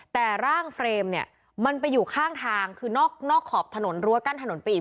แต่ร่างเฟรมเนี่ยมันไปอยู่ข้างทางคือนอกขอบถนนรั้วกั้นถนนไปอีก